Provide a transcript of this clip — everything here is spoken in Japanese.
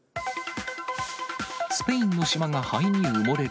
スペインの島が灰に埋もれる。